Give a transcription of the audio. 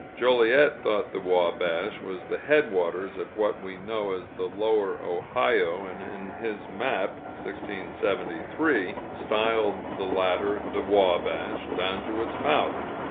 Joliet thought the Wabash the headwaters of what we know as the Lower Ohio, and in his map (1673) styled the latter the Wabash, down to its mouth.